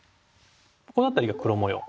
この辺りが黒模様